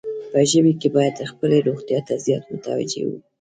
په ژمي کې باید خپلې روغتیا ته زیات متوجه وو.